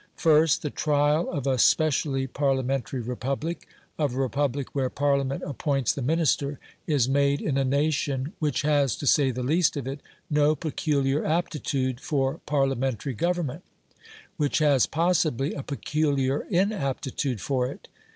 First, the trial of a specially Parliamentary Republic, of a Republic where Parliament appoints the Minister, is made in a nation which has, to say the least of it, no peculiar aptitude for Parliamentary Government; which has possibly a peculiar inaptitude for it.